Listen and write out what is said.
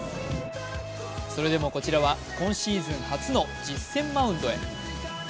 それでも、こちらは今シーズン初の実戦マウンドへ。